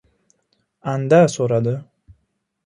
Anda so‘radi: